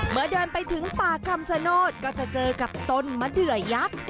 เดินไปถึงป่าคำชโนธก็จะเจอกับต้นมะเดือยักษ์